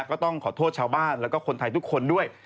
ก็ต้องขอโทษชาวบ้านแล้วก็คนไทยทุกคนด้วย